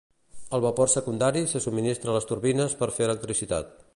El vapor secundari se subministra a les turbines per fer electricitat.